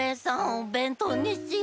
おべんとうにしよう。